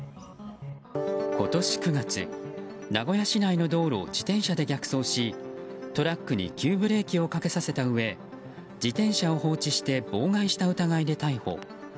今年９月、名古屋市内の道路を自転車で逆走しトラックに急ブレーキをかけさせたうえ自転車を放置して妨害した疑いで逮捕。